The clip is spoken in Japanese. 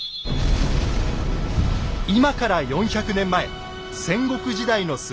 今から４００年前戦国時代の末。